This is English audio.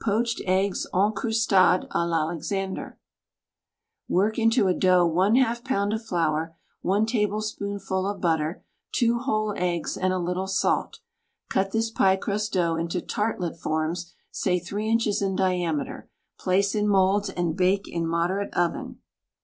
POACHED EGGS EN CROUSTADE A L'ALEXANDER Work into a dough }^ pound of flour, one tablespoon ful of butter, two whole eggs and a little salt; cut this pie crust dough into tartlette forms, say 3 inches in diam eter, place in molds and bake in moderate oven.